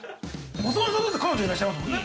まさのりさん、だって彼女いらっしゃいますもんね。